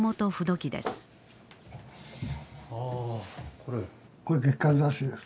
これ月刊雑誌です。